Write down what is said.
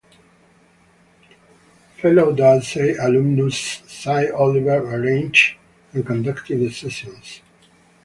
Fellow Dorsey alumnus Sy Oliver arranged and conducted the sessions.